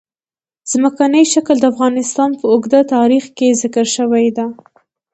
ځمکنی شکل د افغانستان په اوږده تاریخ کې ذکر شوې ده.